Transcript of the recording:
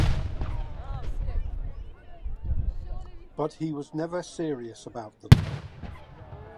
But he was never serious about them.